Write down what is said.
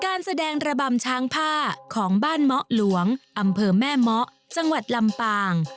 การแสดงระบำช้างผ้าของบ้านเมาะหลวงอำเภอแม่เมาะจังหวัดลำปาง